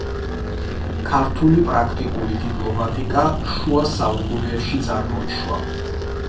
ქართული პრაქტიკული დიპლომატიკა შუა საუკუნეებში წარმოიშვა.